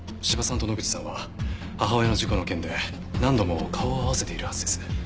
斯波さんと野口さんは母親の事故の件で何度も顔を合わせているはずです。